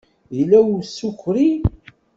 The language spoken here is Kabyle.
Yella isukṛi.